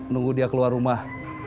nunggu dia keluar rumah